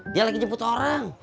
dia lagi jemput orang